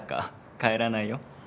帰らないよ。